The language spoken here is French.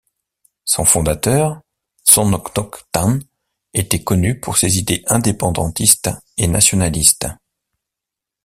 Son fondateur, Son Ngoc Thanh était connu pour ses idées indépendantistes et nationalistes.